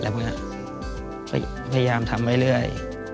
พยายามทำไว้เรื่อย